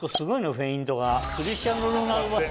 フェイントが。